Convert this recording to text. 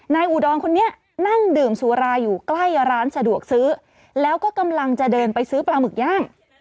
อุดรคนนี้นั่งดื่มสุราอยู่ใกล้ร้านสะดวกซื้อแล้วก็กำลังจะเดินไปซื้อปลาหมึกย่าง